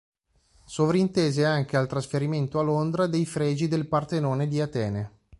Sovrintese anche al trasferimento a Londra dei fregi del Partenone di Atene.